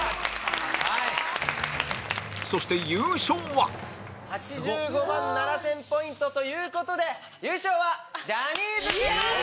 そして優勝は８５万７０００ポイントということで優勝はジャニーズチーム！